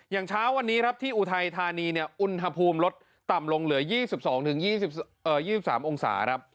อย่างเช้าวันนี้ที่อุทัยธานีอุณหภูมิรถต่ำลงเหลือ๒๒๒๓องศา